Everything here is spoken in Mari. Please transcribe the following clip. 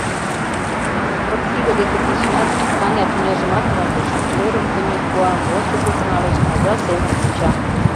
Пырысиге деке пижынат, Саня тӱняжымат мондыш: шӧрым темен пуа, ончыкыжо налеш, аза семын онча.